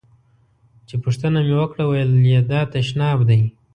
چې پوښتنه مې وکړه ویل یې دا تشناب دی.